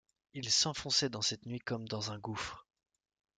Il s’enfonçait dans cette nuit comme dans un gouffre.